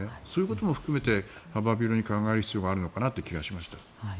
そういうことも含めて幅広に考えていく必要があるのかなという気がしました。